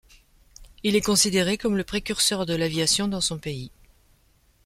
Il est considéré comme le précurseur de l'aviation dans son pays.